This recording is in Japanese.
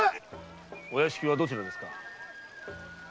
お屋敷はどちらですか？